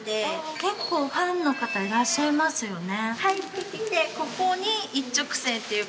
結構ファンの方いらっしゃいますよね。